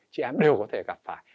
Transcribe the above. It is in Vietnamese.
chị em đều có thể gặp phải